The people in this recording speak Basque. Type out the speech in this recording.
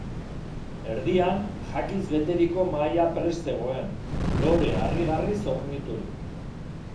Erdian, jakiz beteriko mahaia prest zegoen, lore harrigarriz horniturik.